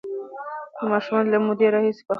ماشومان له مودې راهیسې په خپله ژبه زده کړه کوي.